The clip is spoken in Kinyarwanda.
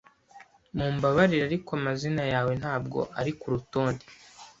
Mumbabarire, ariko amazina yawe ntabwo ari kurutonde.